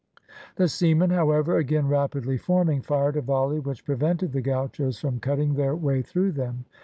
The seamen, however; again rapidly forming, fired a volley which prevented the gauchos from cutting their way through them.